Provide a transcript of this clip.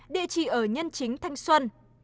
địa chỉ ở nhân chính thanh xuân